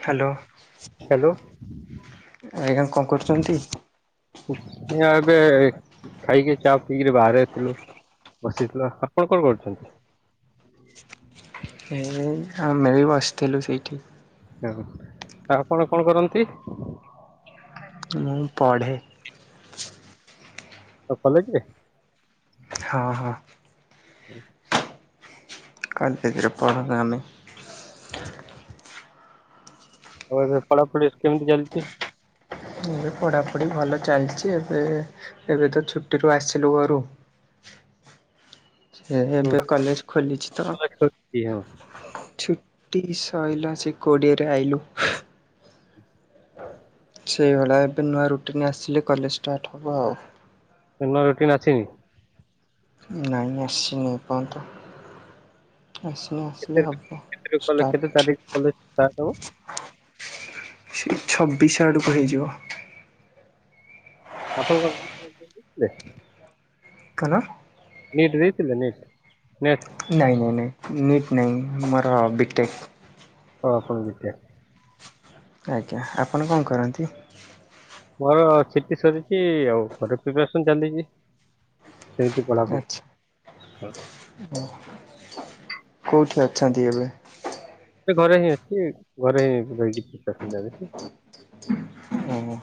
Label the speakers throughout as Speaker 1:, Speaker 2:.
Speaker 1: Hello.
Speaker 2: Hello
Speaker 1: ଆଜ୍ଞା କଣ କରୁଛନ୍ତି?
Speaker 2: ଏ ଏବେ ଖାଇକି ଚା ପିଇକିରି ବାହାରେଥିଲୁ ବସିଥିଲ ଆପଣ କଣ କରୁଛନ୍ତି?
Speaker 1: ସେ ଆମେ ବି ବସିଥିଲୁ ସେଇଠି
Speaker 2: ହୁଁ ଆପଣ କଣ କରନ୍ତି?
Speaker 1: ମୁଁ ପଢେ।
Speaker 2: ଆଉ କଲେଜରେ?
Speaker 1: ହଁ ହଁ।
Speaker 2: ହୁଁ
Speaker 1: କଲେଜ ରେ ପଢ଼ ତାହାନେ।
Speaker 2: ଆଉ ଏବେ ପଢା ପଢି କେମିତି ଚାଲିଛି?
Speaker 1: ଏବେ ପଢାପଢି ଭଲ ଚାଲିଛି, ଏବେ ଏବେ ତ ଛୁଟିରୁୁ ଆସିଲୁ ଘରୁ [inaudible] ସେ
Speaker 2: ହୁଁ,
Speaker 1: ଏବେ କଲେଜ ଖୋଲିଛି ତ
Speaker 2: କଲେଜ ଖୋଲିଛି, ହଁ।
Speaker 1: ସରିଲା ସେ କୋଡିଏରେ ଆଇଲୁ ସେଇଭଳି ଏବେ ନୂଆ ରୁଟିନ୍ ଆସିଲେ କଲେଜ ଷ୍ଟାର୍ଟ ହେବ ଆଉ।
Speaker 2: ଏନ ରୁଟିନ ଆସିନି?
Speaker 1: ନାଇଁ ଆସିନି ଏପର୍ଯ୍ୟନ୍ତ। ଆସିନି।
Speaker 2: କେତେ
Speaker 1: ଆସିଲେ ହବ
Speaker 2: କେତେ କଲେ କେତେ ତାରିଖ କଲେଜ ହବ
Speaker 1: ଷ୍ଟାର୍ଟ। ସେ ଛବିଶ ଆଡ଼କୁ ହେଇଯିବ।
Speaker 2: ଆପଣ କଣ ନି ଟ୍ ଏକ୍ଜାମ ଦେଇଥିଲେ?
Speaker 1: କଣ?
Speaker 2: ନି ଟ୍ ଦେଇଥିଲେ ନିଟ୍। ନେଟ
Speaker 1: ନାଇଁ ନାଇଁ ନାଇଁ ନୀଟ ନାହିଁ, ମୋର ବିଟେକ୍।
Speaker 2: ଓହୋ! ଏମିତିଆ
Speaker 1: ଆଜ୍ଞା, ଆପଣ କଣ କରନ୍ତି?
Speaker 2: ମୋର ସିଟି ସରିଛି। ଆଉ ଘରେ ପ୍ରିପାରେସନ୍ ଚାଲିଛି। ସେଇଠି କଳାପ
Speaker 1: ଆଚ୍ଛା
Speaker 2: ଖ
Speaker 1: କୋଉଠି ଅଛନ୍ତି ଏବେ?
Speaker 2: ଏ ଘରେ ହିଁ ଅଛି। ଘରେ ହିଁ ରହିକି [unintelligible]
Speaker 1: ଉଁ ହୁ।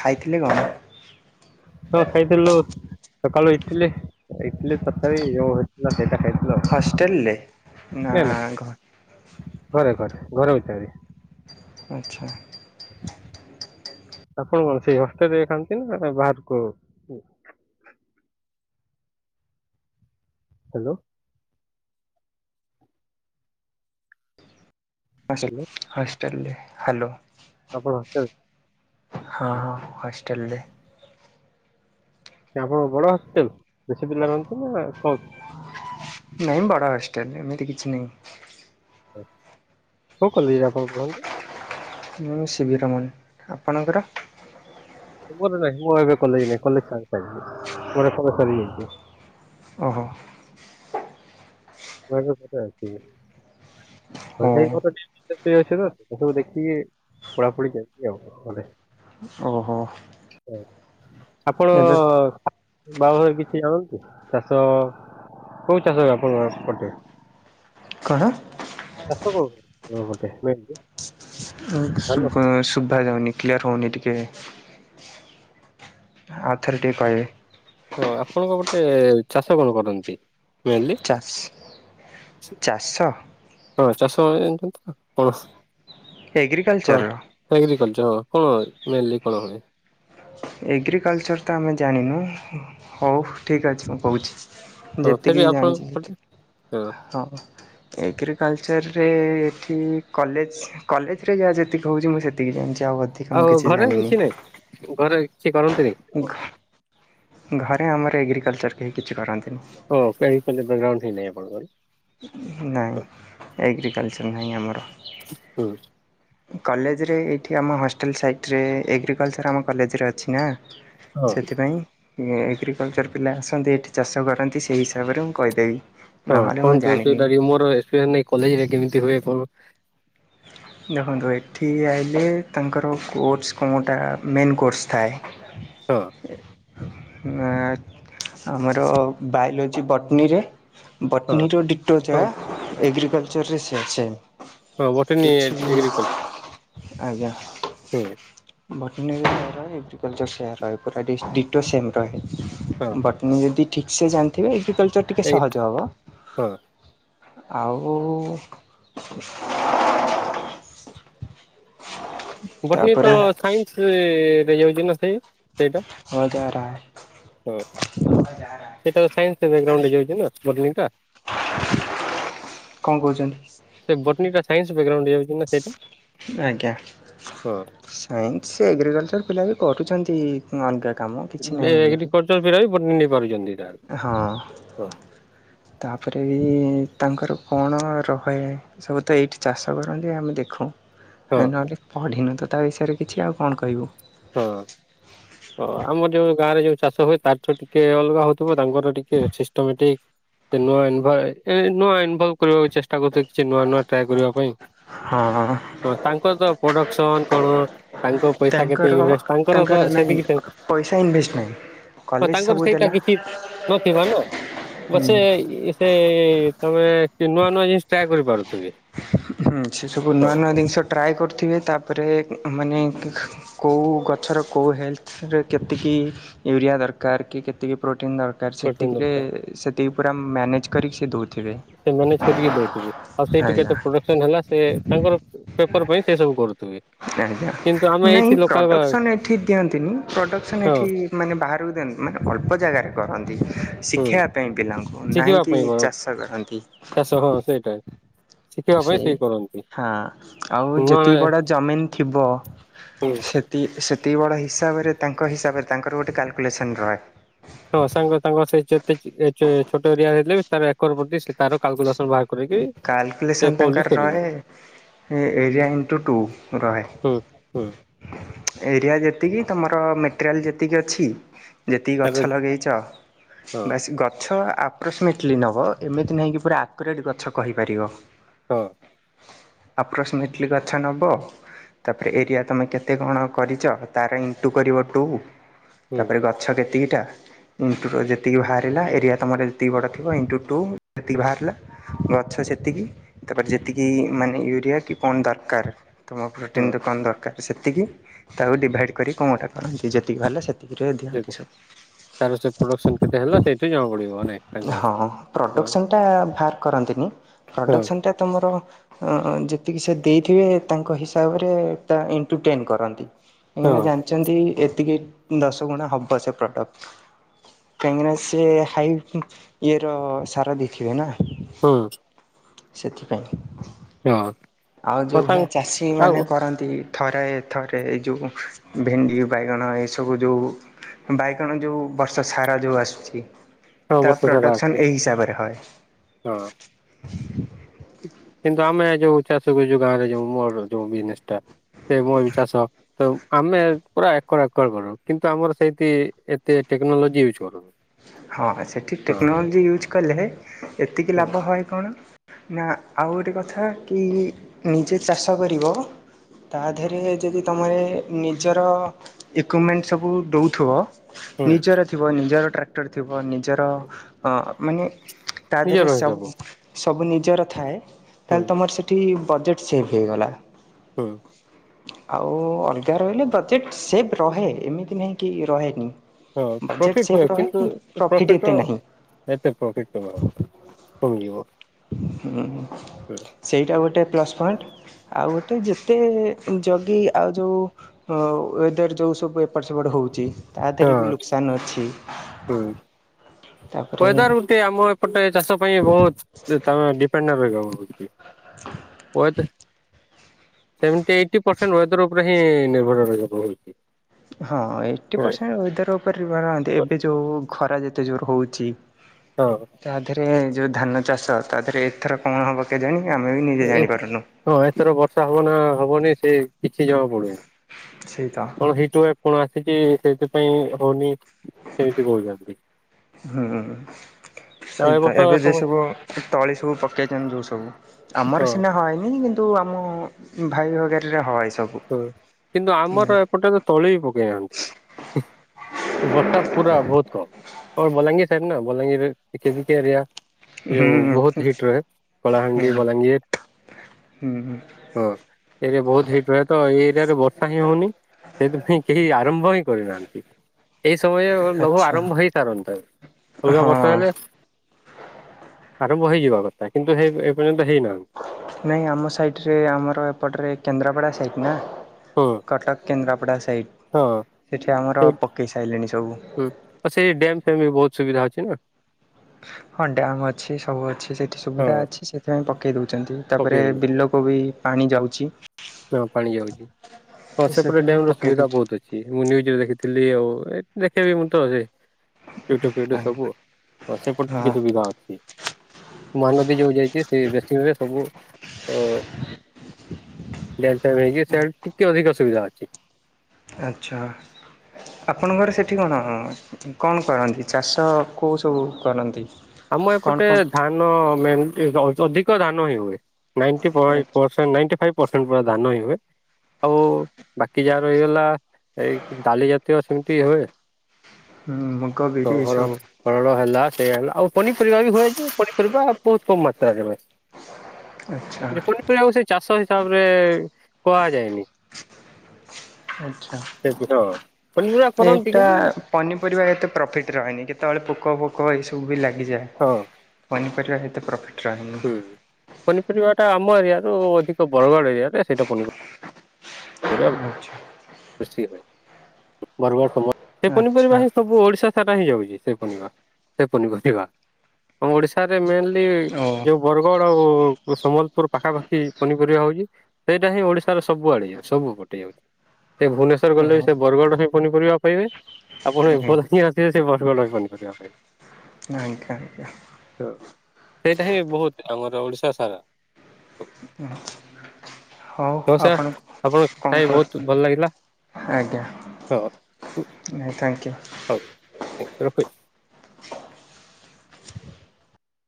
Speaker 1: ଖାଇଥିଲେ କଣ?
Speaker 2: ହଁ ଖାଇଥିଲୁ ସକାଳୁ ଇଟିଲି, ଇଟିଲି ତରକାରୀ ଯୋଉ ହେଇଥିଲା। ସେଇଟା ଖାଇଥିଲୁ ଆଉ
Speaker 1: ହଷ୍ଟେଲରେ ନା ଘ
Speaker 2: ଘର ଭିତରେ।
Speaker 1: ଆଚ୍ଛା।
Speaker 2: ଆପଣ କଣ ସେଇ ହଷ୍ଟେଲ ରେ ଖାଆନ୍ତି? ନା ନା ବାହାରକୁ ଉ ହ୍ୟାଲୋ!
Speaker 1: ହଷ୍ଟେଲ, ହଷ୍ଟେଲ ରେ ହ୍ୟାଲୋ!
Speaker 2: ସବୁ ହଷ୍ଟେଲ ହୁ
Speaker 1: ହଷ୍ଟେଲ ରେ
Speaker 2: ଆପଣଙ୍କ ବଡ ହଷ୍ଟେଲ, ବେଶୀ ପିଲା ରହନ୍ତି ନା କମ୍?
Speaker 1: ନାଇଁ, ବଡ ହଷ୍ଟେଲ ଏମିତି କିଛି ନାଇଁ।
Speaker 2: କଉ କଲେଜରେ ଆପଣ ରୁହନ୍ତି?
Speaker 1: ମୁଁ ସି ବି ରମନ। ଆପଣଙ୍କର?
Speaker 2: ମର ନାହିଁ, ମର ଏବେ କଲେଜ୍ ନାଇଁ କଲେଜ୍ ସରିଯାଇଛି, ମୋର କଲେଜ ସରିଯାଇଛି।
Speaker 1: ଅହୋ!
Speaker 2: ମର କଥା ଅଛି।
Speaker 1: ଓ
Speaker 2: [unintelligible] ଏସବୁ ଦେଖିକି ପଢାପଢି ଚାଲଚି ଆଉ ମାନେ
Speaker 1: ହଁ।
Speaker 2: ଆପଣ-ଅ-ଅ ବାହାଘରେ କିଛି ଆଣନ୍ତି। ଚାଷ କୋଉ ଚାଷ ଆପଣଙ୍କ ପଟେ?
Speaker 1: କଣ?
Speaker 2: ଚାଷ କଣ? ମୋଟେ ନେଇକି
Speaker 1: ଶୁଭ -ଶୁଭା ଯାଉନି। କ୍ଲିୟର ହଉନି ଟିକେ। ଆଉ ଥରେ ଟିକେ କହିବେ।
Speaker 2: ହଁ ଆପଣଙ୍କ, ଗୋଟେ ଚାଷ କଣ କରନ୍ତି? Mainly!
Speaker 1: ଚାଷ ଚାଷ
Speaker 2: ହଁ ଚାଷ ତ ଏମିତି ଏମିତି ଆଉ, କଣ ହଁ
Speaker 1: ଏଗ୍ରିକଲଚରର
Speaker 2: ଏଗ୍ରିକଲଚ୍ ହଁ। ହଁ ମେନ୍ ଲି କଣ ହୁଏ?
Speaker 1: ଏଗ୍ରିକଲଚର୍ ତ ଆମେ ଜାଣିନୁ। ହଉ ଠିକ୍ ଅଛି ମୁଁ କହୁଛି।
Speaker 2: ହଁ ଫିର୍
Speaker 1: ଯେତିକି ବି
Speaker 2: ଆପଣ
Speaker 1: ଜାଣିଛି
Speaker 2: ପଟେ
Speaker 1: ସେଠି, ହଁ ଏଗ୍ରିକଲଚରରେ ଏଠି କଲେଜ! କଲେଜ ରେ ଯାହା ଯେତିକି ହଉଛି ମୁଁ ସେତିକି ଜାଣିଛି। ଆଉ ଅଧିକ ମୁଁ କିଛି ଜାଣିନି।
Speaker 2: କିଏ କରନ୍ତିନି କଣ?
Speaker 1: ଘ ଘରେ ଆମର ଏଗ୍ରିକଲଚ୍ ର କେହି କି
Speaker 2: ହଁ, କେହି [unintelligible] ବାଗ୍ରାଉଣ୍ଡ ହିଁ ନାହିଁ ଆପଣଙ୍କର?
Speaker 1: ନାହିଁ ଏଗ୍ରିକଲଚର ନାହିଁ ଆମର
Speaker 2: ହୁଁ
Speaker 1: କଲେଜରେ ଏଠି ଆମ ହଷ୍ଟେଲ ସାଇଟରେ ଏଗିକଲଚର ଆମ କଲେଜରେ ଅଛି ନା
Speaker 2: ହଁ
Speaker 1: ସେଥିପାଇଁ ଏଗ୍ରିକଲଚର୍ ପିଲା ଆସନ୍ତି, ଏଠି ଚାଷ କରନ୍ତି ସେହି ହିସାବରେ ମୁଁ କହିଦେବି।
Speaker 2: ହଁ
Speaker 1: ନହେଲେ ମୁଁ
Speaker 2: କୁହନ୍ତୁ।
Speaker 1: ଜାଣିନି।
Speaker 2: ସେଟା ଭି ମର ଏକ୍ସପିରିୟାଂଶ ନାହିଁ କଲେଜ ରେ କେମିତି ହୁଏ କଣ?
Speaker 1: [inaudible] ଦେଖନ୍ତୁ ଏଠି ଆଇିଲେ ତାଙ୍କର କୋର୍ସ କଣଁଟା ମେନ୍ କୋର୍ସ ଥାଏ।
Speaker 2: ହଁ।
Speaker 1: ଆମର ବାୟୋଲୋଜି ବଟନୀରେ
Speaker 2: ହଁ
Speaker 1: ବଟନୀ ଯଉ ଟିଟୋ
Speaker 2: ହଁ
Speaker 1: ଯା ଏଗ୍ରିକଲଚର୍ ସେୟା ସେୟା।
Speaker 2: ହଁ ବୋଟନି ଏଗ୍ରିକଲଚର
Speaker 1: ଆଜ୍ଞା।
Speaker 2: ହୁଁ।
Speaker 1: ଭଟନଗୟ ଏଗ୍ରିକଲଚର୍ ସେମ ରହିବ ପୁରା ଡିଷ୍ଟ୍ରିକ୍ଟ ସେମ୍ ରହେ
Speaker 2: ହଁ
Speaker 1: ବଟନୀ ଯଦି ଠିକ୍ସେ ଜାଣିଥିବେ ଏଗ୍ରିକଲଚର ଟିକେ
Speaker 2: ଏଇ
Speaker 1: ସହଜ ହବ
Speaker 2: ହଁ
Speaker 1: ଆଉ
Speaker 2: ବଟୀନ ତ
Speaker 1: ତାପରେ
Speaker 2: ସାଇନ୍ସ ରେ ହେଇଯାଉଛି ନା ସେ?
Speaker 1: ହଁ ଯା ରା ହୈ।
Speaker 2: ସେଇଟା ସାଇନ୍ସ ବ୍ୟାଗ୍ରାଉଣ୍ଡ ହେଇଯାଉଛି ନା ବଟିନ୍ ଟା।
Speaker 1: କଣ କହୁଛନ୍ତି?
Speaker 2: ବଟନୀଟା ସାଇନ୍ସ ବ୍ୟାକଗ୍ରାଉଣ୍ଡ ଯାଉଛିନା ସେଇଟା।
Speaker 1: ଆଜ୍ଞା।
Speaker 2: ହଁ
Speaker 1: ସାଇନ୍ସ ଏଗ୍ରିକଲଚର ପିଲା ବି କରୁଛନ୍ତି, ଅଲଗା କାମ କିଛି ନାହିଁ ଏମିତି।
Speaker 2: ଏଗ୍ରକାଲଚାର ପିଲାବି ପଡ଼ିନେଇ ପାରୁଛନ୍ତି। ତାହେଲେ
Speaker 1: ହଁ
Speaker 2: ହଁ
Speaker 1: ତାପରେ ବି ତାଙ୍କର କଣ ରହେ ସବୁ ତ ଏଇଠି ଚାଷ କରନ୍ତି, ଆମେ ଦେଖୁ
Speaker 2: ହଁ
Speaker 1: ନହେଲେ ପଢିନୁ ତ ତା ବିଷୟରେ କିଛି ଆଉ କଣ କହିବୁ।
Speaker 2: ହଁ ହ ଆମର ଯୋଉ ଗାଁ ରେ ଯୋଉ ଚାଷ ହୁଏ, ତାରଠୁ ଟିକେ ଅଲଗା ହଉ ଥିବ, ତାଙ୍କର ଟିକେ ସିଷ୍ଟମଟିକ ନୂଆଇ ଇନ୍ଭାୟ ନୂଆଇ ଇନ୍ଭୟ କରିବାକୁ ଚେଷ୍ଟା କରୁ କିଛି ନୂଆ ନୂଆ ଟ୍ରାଏ କରିବା ପାଇଁ।
Speaker 1: ହଁ
Speaker 2: ହଁ ତାଙ୍କର ତ ପ୍ରଡକ୍ସନ କଣ ତାଙ୍କ ପଇସା କେତେ?
Speaker 1: ଙ୍କର
Speaker 2: ଇନଭେଷ୍ଟ ତ
Speaker 1: ତାଙ୍କର ନାହିଁ ପଇସା ଇନଭେଷ୍ଟ ନାହିଁ।
Speaker 2: ତ
Speaker 1: କଲେଜ
Speaker 2: ତାଙ୍କର
Speaker 1: ସବୁ
Speaker 2: ସେଇଟା
Speaker 1: ଦେଲା
Speaker 2: କିଛି ନଥିବ ନ ବ ସେ ସେ ତମେ ନୂଆ ନୂଆ ଜିନିଷ ଟ୍ରାଏ କରିପାରୁଛ?
Speaker 1: ହୁଁ ସେ ସବୁ ନୂଆ ନୂଆ ଜିନିଷ ଟ୍ରାଏ କରୁଥିବେ, ତାପରେ ମାନେ କେଉଁ ଗଛର କେଉଁ ହେଲ୍ଥରେ କେତିକି ୟୁରିଆ ଦରକାର କି, କି ପ୍ର ପ୍ରୋଟିନ ଦରକାର
Speaker 2: ପ୍ରୋଟିନ
Speaker 1: ସେତିକି ସେତିକେରେ ପୁରା ମନ
Speaker 2: ସେମାନେ ସେଠିକି ଦଉଥିବେ ଆଉ ସେଇଠୁ
Speaker 1: ଆଜ୍ଞା।
Speaker 2: କେତେ ପ୍ରଡକ୍ସନ ହେଲା, ସେ ତାଙ୍କର ପେପର ପାଇଁ ସେ ସବୁ କରୁଥିବେ।
Speaker 1: ଆଜ୍ଞା
Speaker 2: କିନ୍ତୁ ଆମେ ଏଇଠି
Speaker 1: ନାଇଁ
Speaker 2: ଲୋକାଲ
Speaker 1: ପ୍ରଡ଼କ୍ସନ୍ ଏଠି ଦିଅନ୍ତିନି ପ୍ରଡ଼କ୍ସନ୍
Speaker 2: ହଁ
Speaker 1: ଏଠି ମାନେ ବାହାରକୁ ମାନେ ଅଳ୍ପ ଜାଗାରେ କରନ୍ତି
Speaker 2: ହୁଁ
Speaker 1: ଶିଖାଇବା ପାଇଁ ପିଲାଙ୍କୁ
Speaker 2: ଶିଖିବା
Speaker 1: ନାହିଁକି
Speaker 2: ପାଇଁ ବରଂ
Speaker 1: ଚାଷ କରନ୍ତି।
Speaker 2: ଚାଷ ହଁ ସେଇଟା ଶିଖିବା
Speaker 1: [inaudible]
Speaker 2: ପାଇଁ
Speaker 1: ସେଇ
Speaker 2: କରନ୍ତି
Speaker 1: ହଁ ଆଉ
Speaker 2: ନୂଆ
Speaker 1: ଯେତିକି ବଡ ଜମିିନ ଥିବ
Speaker 2: ହୁଁ
Speaker 1: ସେ ସେତିକ ବଡ଼ ହିସାବରେ, ତାଙ୍କ ହିସାବରେ ତାଙ୍କର ଗୋଟେ କାଲକୁଲେସନ୍ ରହେ
Speaker 2: ତ ସାଙ୍ଗ ତାଙ୍କ ସେ ଯେତେ ଛୋଟ ଏରିଆ ହେଥିଲେ, ବି ତାର ଏକର ପ୍ରତି ସେ ତାର କାଲଗଲ
Speaker 1: କାଲକୁଲେସନ ତାଙ୍କର
Speaker 2: କରିବେ
Speaker 1: ରହେ ଏରିଆ ଇଣ୍ଟୁ ଟୁ ରହେ
Speaker 2: ହୁଁ ହୁଁ
Speaker 1: ଏରିଆ ଯେତିକି ତୁମର ମେଟେରିଆଲ୍ ଯେତିକି ଅଛି ଯେତିକି ଗଛ
Speaker 2: ତାର
Speaker 1: ଲଗେଇଛ
Speaker 2: ହଁ
Speaker 1: ବାସ ଗଛ ଆପ୍ରୋକ୍ସିମେଟଲି ନେବ ଏମିତି ନାହିଁକ କି ପୁରା ଆକୁରେଟ୍ ଗଛ କହିପାରିବ
Speaker 2: ହଁ।
Speaker 1: ଆପ୍ରୋକ୍ସିମେଟଲି ଗଛ ନବ। ତାପରେ ଏରିଆ ତମେ କେତେ କଣ କରିଛ ତାର ଇଣ୍ଟୁ କରିବ ଟୁ।
Speaker 2: ହୁଁ
Speaker 1: ତାପରେ ଗଛ କେତିକିଟା ଇଣ୍ଟୁ ଯେତିକି ବାହାରିଲା ଏରିଆ ତମର ଯେତିକି ବଡ଼ ଥିବ ଇଣ୍ଟୁ ଟୁ ଯେତିକି ବାହାରିଲା। ଗଛ ସେତିକି ତାପରେ ଯେତିକି ମାନେ ୟୁରିଆ କି କଣ ଦରକାର ତୁ ମୋ
Speaker 2: ହଁ
Speaker 1: ପ୍ରୋଟିନଟୁ କଣ ଦରକାର ସେତିକି ତାକୁ ଡିଭାଇଡ଼୍ କରି କେଉଁଟା କରନ୍ତି ଯେତିକି ହେଲା ସେକି ଏତିକରେ
Speaker 2: ଯେ-
Speaker 1: ଦିଅନ୍ତି ସବୁ।
Speaker 2: ତାର ସେ ପ୍ରଡକ୍ସନ କେତେ ହେଲା ସେଇଠି ଜଣା ପଡିବ ନାଇଁ ତାଙ୍କର ହ।
Speaker 1: ପ୍ରଡକ୍ସନ ଟା ତମ ଉଁ ତ ଯେତିକି ସେ ଦେଇଥିବେ ତାଙ୍କ ହିସାବରେ ତା ଏଣ୍ଟୁଟେନ୍ କରନ୍ତି।
Speaker 2: ହଁ
Speaker 1: କାହିଁକିନା ଜାଣିଛନ୍ତି ଏତିକି ଦଶ ଗୁଣା ହବ ସେ ପ୍ରଡ଼କ୍ଟ। କାହିଁକି ନା ସେ ହାଇ ଇଏର ସାରା ଦେଖଇ ଥିବେ ନା।
Speaker 2: ହଁ।
Speaker 1: ସେଥିପାଇଁ।
Speaker 2: ହଁ।
Speaker 1: ଆଉ
Speaker 2: ହଁ
Speaker 1: ଯୋଉ
Speaker 2: ତାଙ୍କ
Speaker 1: ଭଳିଆ ଚାଷୀ
Speaker 2: ଆଉ
Speaker 1: ମାନେ କରନ୍ତି। ଥରେ ଥରେ ଯେଉଁ ଭେଣ୍ଡି ବାଇଗଣ ଏସବୁ ଯେଉଁ ବାଇଗଣ ଯୋଉ ବର୍ଷ ସାରା ଯୋଉ ଆସୁଛି।
Speaker 2: ହଁ
Speaker 1: ତା
Speaker 2: ବର୍ଷ ସାରା
Speaker 1: ପ୍ରଡ଼ାକ୍ସନ୍
Speaker 2: ଅଛି
Speaker 1: ଏହି ହିସାବରେ ହଏ।
Speaker 2: ହଁ କିନ୍ତୁ ଆମେ ଯୋଉ ଚାଷ ଯ ଗାଁରେ ଯୋଉ ମୋର ଯୋଉ ବିଜନେସ ଟା ସେ ମୋ ଚାଷ ତ ଆମେ ପୁରା ଏକର ଏକର କର କିନ୍ତୁ ଆମର ସେଇଠି ଏତେ ଟେକ୍ନୋଲୋଜି ୟୁଜ କରୁନୁ।
Speaker 1: ହଁ ସେଇଠି
Speaker 2: ହଁ
Speaker 1: ଟେକ୍ନୋଲୋଜି ୟୁଜ୍ କଲେ ଏତିକି
Speaker 2: ହଁ
Speaker 1: ଲାଭ ହଏ କଣ? ନା ଆଉ ଗୋଟେ କଥା କି ନିଜେ ଚାଷ କରିବ। ତା ଦେହରେ ଯଦି ତୁମରେ ନିଜର ଇକୁମେଣ୍ଟ ସବୁ ଦୋଉଥିବ
Speaker 2: ହୁଁ
Speaker 1: ନିଜର ଥିବ ନିଜର ଟ୍ରାକ୍ଟର ଥିବ ନିଜର ଅ ମାନେ ତା ଦେହରେ
Speaker 2: ନିଜର ହିସାବ
Speaker 1: ସବୁ ସବୁ ନିଜର ଥାଏ
Speaker 2: ହୁଁ
Speaker 1: ତାହେଲେ ତମର ସେଠି ପ୍ରଜେକ୍ଟ୍ ସେଫ ହୋଇଗଲା।
Speaker 2: ହୁଁ।
Speaker 1: ଆଉ ଅଲଗା ରହିଲେ ବଜେଟ୍ ସେମ୍ ରହେ ଏମିତି ନାହିଁ କି ରହେନି।
Speaker 2: ହଁ
Speaker 1: ବଜେଟ୍
Speaker 2: ପ୍ରଫିଟ
Speaker 1: ସେଭ୍
Speaker 2: ହଏ।
Speaker 1: ରହେ କିନ୍ତୁ ପ୍ରଫିଟ୍
Speaker 2: ପ୍ରଫିଟ ର
Speaker 1: ଏତେ
Speaker 2: ଏତେ ପ୍ରଫିଟ କମ କମିଯିବ।
Speaker 1: ହୁଁ ହୁଁ
Speaker 2: ହୁଁ।
Speaker 1: ସେଇଟା ଗୋଟେ ପ୍ଲସ ପଏଣ୍ଟ। ଆଉ ଗୋଟେ ଯେତେ ଜଗି ଆଉ ଯୋଉ ୱଦର ଯୋଉ ସବୁ ଏପଟ ସେପଟ ହ ହଉଛି, ତା ଦେହରେ
Speaker 2: ହଁ
Speaker 1: ବି ଲୋକସଆନ୍ ଅଛି। ତାପରେ
Speaker 2: ୱାଦର୍ ଗୋଟେ ଆମ ଏପଟେ ଚାଷ ପାଇଁ ବହୁତ ଡିପେଣ୍ଡ ରହିବ ହଉଚି। ୱାଦ ଯେମିତି ଏଇଟ୍ ପର୍ସେଣ୍ଟ ୱାଦର ଉପରେ ହିଁ ନିର୍ଭର ରହିବ।
Speaker 1: ହଁ ଏଇଟ ପର୍ଶେଣ୍ଟ ୱାଦେର ଉପରେ ଏବେ ଯୋଉ ଖରା ଯେତେ ଜୋର ହଉଛି।
Speaker 2: ହଁ
Speaker 1: ତା ଦେହରେ ଯୋଉ ଧାନ ଚାଷ ତା ଦେହରେ ଏଥର କଣ ହବ କେଜାଣି? ଆମେ ବି ନିଜେ
Speaker 2: ଏ
Speaker 1: ଜାଣିପାରୁନୁ।
Speaker 2: ହଁ ଏଥର ବର୍ଷା ହବ ନା ହବନି ସେ କିଛି ଜମା ପଡୁନି।
Speaker 1: ସେଇତ
Speaker 2: କଣ ହିଟ ୱାଇ କଣ ଆସିଛି ସେଇଥିପାଇ ହଉନି ସେମିତି କହୁଛନ୍ତି।
Speaker 1: ହୁଁ।
Speaker 2: ଆଉ ଏ
Speaker 1: ସେଇତ
Speaker 2: ବର୍ଷ
Speaker 1: ଏବେ ଯେ
Speaker 2: ସମସ୍ତ
Speaker 1: ସବୁ ତଳି ସବୁ ପକେଇଛନ୍ତି ଯୋଉ ସବୁ ଆମର
Speaker 2: ହଁ
Speaker 1: ସିନା ହନି କିନ୍ତ ତୁ ଆମ ଭାଇ ବଗରରେ ହଏ। ସବୁ
Speaker 2: ହୁଁ କିନ୍ତୁ ଆମର ଏପଟେ ତ ତଳି ବି ପକେଇ ନାହାନ୍ତି। ବର୍ଷା ପୁରା ବହୁତ କମ୍ ଆ ବଲାଙ୍ଗୀର ସାଇଡ ନା ବଲାଙ୍ଗୀରେ ଏକ ଏରିଆ ଯଉ
Speaker 1: ହୁଁ
Speaker 2: ବହୁତ ହିଟ୍ ରହେ
Speaker 1: ହୁଁ
Speaker 2: କଳାହାଣ୍ଡି, ବଲାଙ୍ଗୀର।
Speaker 1: ହୁଁ ହୁଁ
Speaker 2: ହଁ ଏଇଠରେ ବହୁତ ହିଟ୍ ରହେ। ତ ଏରିଆରେ ବର୍ଷା ହିଁ ହଉନି ସେଥିପାଇଁ କେହି ଆରମ୍ଭ ହିଁ କରିନାହାନ୍ତି। ଏଇ ସମୟେ ଲଘୁ
Speaker 1: ଆଚ୍ଛା।
Speaker 2: ଆରମ୍ଭ ହେଇସାରନ୍ତାଣି, ଅଲଗା
Speaker 1: ହଁ
Speaker 2: ବର୍ଷା ହେଲେ ଆରମ୍ଭ ହେଇଯିବା କଥା କିନ୍ତୁ ହେଇନି [unintelligible]
Speaker 1: ନାଇଁ ଆମ ସାଇଟରେ ଆମର ଏପଟରେ କେନ୍ଦ୍ରାପଡା ସାଇଟ ନା।
Speaker 2: ହଁ
Speaker 1: କଟକ କେନ୍ଦ୍ରାପଡ଼ା ସାଇଟ୍,
Speaker 2: ହଁ
Speaker 1: ସେଠି ଆମର
Speaker 2: ସେଇ
Speaker 1: ପକେଇ ସାରିଲେଣି ସବୁ।
Speaker 2: ହୁଁ, ଆଛା ଏଇ ଡ୍ୟାମଫ୍ୟାମ୍ ବି ବହୁତ ସୁବିଧା ଅଛି ନା?
Speaker 1: ହଁ ଡ୍ୟାମ୍ ଅଛି ସବୁ ଅଛି ସେଠି ସୁବିଧା
Speaker 2: ହଁ
Speaker 1: ଅଛି ସେଥିପାଇଁ ପକେଇ ଦଉ ଛନ୍ତି,
Speaker 2: ପକେଇ
Speaker 1: ତାପରେ
Speaker 2: ଦେଇଛନ୍ତି
Speaker 1: ବିଲକୁ ବି ପାଣି ଯାଉଛି।
Speaker 2: ହଁ ପାଣି ଯାଉଛି। ହଁ ସେପଟେ
Speaker 1: ସେଥିପାଇଁ
Speaker 2: ଡ୍ୟାମର
Speaker 1: ପକେଇ
Speaker 2: ସୁବିଧା
Speaker 1: ଦଉଛି
Speaker 2: ବହୁତ ଅଛି ମୁଁ ନିଜେ ଦେଖିଥିଲି ଆଉ ଏ ଦେଖେଇବି ମୁଁ ତ ଯେ ୟୁଟ୍ୟୁବଫ୍ୟୁଟୁବ୍ ସବୁ ଆଉ, ହଁ ସେପଟେ ଟିକେ ସୁବିଧା ଅଛି। ମହାନଦୀ ଯୋଉ ଯାଇଛି ସେ ବେସିଙ୍ଗରେ ସବୁ ଅ-ଅ-ଅ [unintelligible] ସେଆଡେ ଟିକେ ଅଧିକ ସୁବିଧା ଅଛି।
Speaker 1: ଆଚ୍ଛା। ଆପଣଙ୍କର ସେଠି କଣ, କଣ କରନ୍ତି ଚାଷ କୋଉ ସବୁ କରନ୍ତି?
Speaker 2: ଆମ
Speaker 1: କଣ
Speaker 2: ଏପଟେ
Speaker 1: କଣ
Speaker 2: ଧାନ ମେନ୍ ବହୁତ ଅଧିକ ଧାନ ହିଁ ହୁଏ। ନାଇଣ୍ଟି ଫାଇବ୍
Speaker 1: ଆଚ୍ଛା
Speaker 2: ପରସେଣ୍ଟ୍ ନାଇଣ୍ଟି ଫାଇବ୍। ପରସେଣ୍ଟ ପୁରା ଧାନ ହିଁ ହୁଏ, ଆଉ-ଉ-ଉ ବାକି ଯାହା ରହିଗଲା ଏଇ ଡାଲି ଜାତୀୟ ସେମିତି ହୁଏ।
Speaker 1: ମୁଗ ବିରି
Speaker 2: ହର
Speaker 1: ଏସବୁ
Speaker 2: ହରଡ ହେଲା ସେ ହେଲା ଆଉ ପନିପରିବା ବି ହୁଏ ଯେ, ପନିପରିବା ବହୁତ କମ ମାତ୍ରାରେ ହୁଏ।
Speaker 1: ଆଚ୍ଛା
Speaker 2: ଯେ ପନିପରିବାକୁ ସେ ଚାଷ ହିସାବରେ କୁହାଯାଇନି।
Speaker 1: ଆଚ୍ଛା।
Speaker 2: ପନିପରିବା କରନ୍ତି
Speaker 1: ଏଇଟା
Speaker 2: କିନ୍ତୁ
Speaker 1: ପନିପରିବା ଏତେ ପ୍ରଫିଟ୍ ରହେନି କେତେବେଳେ ପୋକଫୋ ପୋକ ଏସବୁ ବି ଲାଗିଯାଏ
Speaker 2: ହଁ
Speaker 1: ପନିପରିବା ସେତେ ପ୍ରଫି
Speaker 2: ହୁଁ, ପନିପରିବାଟା ଆମ ଏରିଆରୁ ଅଧିକ ବରଗଡ ଏରିଆରେ ସେଇଟା ପନି
Speaker 1: ଆଚ୍ଛା।
Speaker 2: ବେଶୀ ହୁଏ, ବରଗଡ଼ ସମ୍ବ ସେ ପନିପରିବା ହିଁ
Speaker 1: ଓ
Speaker 2: ସବୁ ଓଡିଶା ସାରା ହିଁ ଯାଉଛି ସେ ପନିବା। ସେ ପନିପରିବା, ଆମ ଓଡିଶାରେ ମେନ୍ [inaudible] ଯୋଉ ବରଗଡ ଆଉ ସମ୍ବଲପୁର ପାଖାପାଖି ପନିପରିବା ହଉଛି। ସେଇଟା ହିଁ ଓଡିଶାର ସବୁ ଆଡେ ଯାଉ ସବୁ ପଟେ ଯାଉ ସେ ଭୁବନେଶ୍ବର ଗଲେ ବି
Speaker 1: ଓ
Speaker 2: ସେ ବରଗଡ଼ର ହିଁ ପନିପରିବା ପାଇବେ ଆପଣ [unintelligible] ଆସିବେ ସେଇ ବରଗଡ଼ର ହିଁ ପନିପରିବା ପାଇବେ।
Speaker 1: ଆଜ୍ଞା ଆଜ୍ଞା।
Speaker 2: ସେଇଟା ହିଁ ବହୁତ୍ ଆମର ଓଡିଶା ସାରା।
Speaker 1: ହଉ ଆପଣ
Speaker 2: ଆପଣ
Speaker 1: କଣ
Speaker 2: କଥା ହେଇ
Speaker 1: କର
Speaker 2: ବହୁତ ଭଲ ଲାଗିଲା।
Speaker 1: ଆଜ୍ଞା
Speaker 2: ହଁ, ହୁଁ
Speaker 1: ଥ୍ୟାଙ୍କୟୁ।
Speaker 2: ହଉ ଉଁ ରଖୁ